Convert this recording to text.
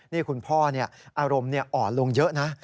นี่คุณพ่ออารมณ์อ่อนลงเยอะนะ